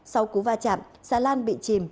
sau cú va chạm xà lan bị chìm